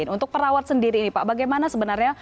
untuk perawat sendiri ini pak bagaimana sebenarnya